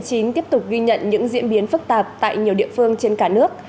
dịch covid một mươi chín tiếp tục ghi nhận những diễn biến phức tạp tại nhiều địa phương trên cả nước